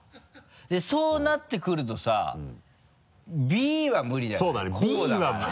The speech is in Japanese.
そうなってくるとさ「Ｂ」は無理じゃない？